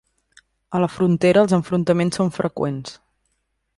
A la frontera els enfrontaments són freqüents.